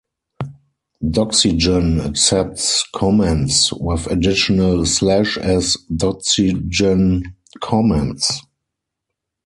Doxygen accepts comments with additional slash as Doxygen comments.